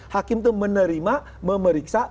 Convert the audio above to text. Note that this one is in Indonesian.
hakim itu menerima memeriksa